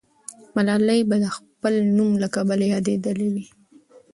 ملالۍ به د خپل نوم له کبله یادېدلې وي.